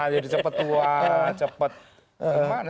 jadi cepat tua cepat